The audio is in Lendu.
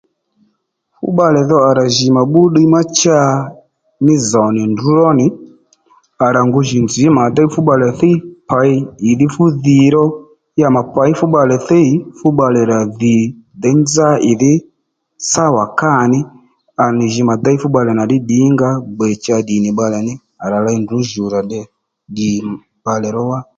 Fú bbalè dho à jì mà bbú ddiy ma cha mí zòw nì ndrǔ ró nì à rà ngu jì nzǐ mà déy fú bbalè thíy pěy ì dhí fú dhi ró ya mà pěy fú bbalè thiy fú bbalè rà dhì děy nzá ì dhí sâ kâ ní à nì jǐ mà déy fú bbalè nà ddí ddìnga ó gbè cha ddi nì bbalè ní à rà ley ndrǔ jùw rà dey ddì bbalè ró wá